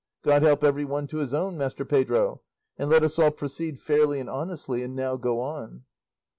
God help every one to his own, Master Pedro, and let us all proceed fairly and honestly; and now go on."